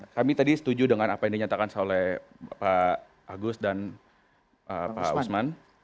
kami tadi setuju dengan apa yang dinyatakan oleh pak agus dan pak usman